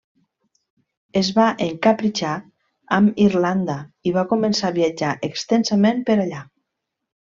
Es va encapritxar amb Irlanda, i va començar a viatjar extensament per allà.